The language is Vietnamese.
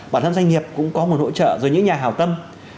bản thân doanh nghiệp cũng có một hỗ trợ rồi những nhà hào tâm